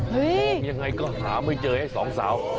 ยังไงก็หาไม่เจอให้สองสาว